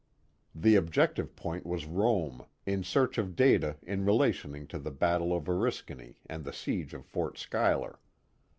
The objec tive point was Rome, in search of data in relation to the battle of Oriskany and the siege of Fort Schuyler.